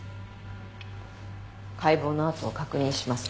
解剖の痕を確認しますか？